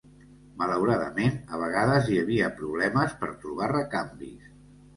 Malauradament, a vegades hi havia problemes per trobar recanvis.